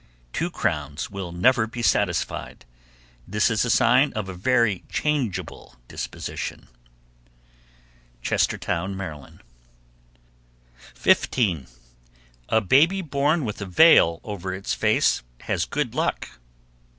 "Two crowns will never be satisfied." This is a sign of a very changeable disposition. Chestertown, Md. 15. A baby born with a veil over its face has good luck.